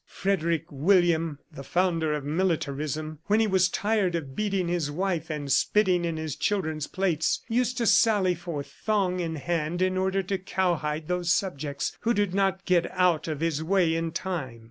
"Frederick William, the founder of militarism, when he was tired of beating his wife and spitting in his children's plates, used to sally forth, thong in hand, in order to cowhide those subjects who did not get out of his way in time.